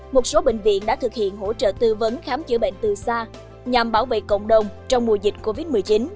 một số bệnh viện đã thực hiện hỗ trợ tư vấn khám chữa bệnh từ xa nhằm bảo vệ cộng đồng trong mùa dịch covid một mươi chín